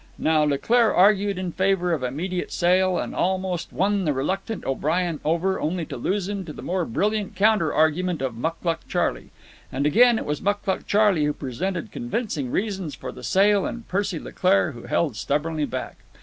Now Leclaire argued in favour of immediate sale, and almost won the reluctant O'Brien over, only to lose him to the more brilliant counter argument of Mucluc Charley. And again, it was Mucluc Charley who presented convincing reasons for the sale and Percy Leclaire who held stubbornly back.